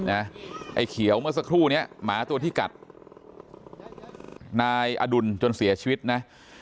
ไอ้เขียวเมื่อสักครู่นี้หมาตัวที่กัดนายอดุลจนเสียชีวิตนะ